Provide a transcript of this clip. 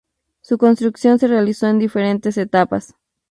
Su construcción se realizó en diferentes etapas.